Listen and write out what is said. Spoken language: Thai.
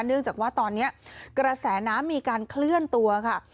เนื่องจากว่าตอนนี้กระแสน้ำมีการเคลื่อนตัวค่ะ